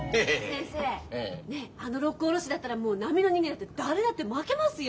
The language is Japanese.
先生あの六甲おろしだったら並の人間だったら誰だって負けますよ。